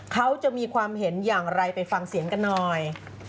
เขาจะมีความเห็นอย่างไรไปฟังเสียงกันหน่อย